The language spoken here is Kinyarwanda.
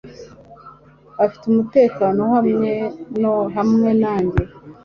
Ufite umutekano hano hamwe nanjye .